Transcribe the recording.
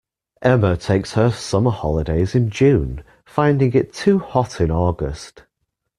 Emma takes her summer holidays in June, finding it too hot in August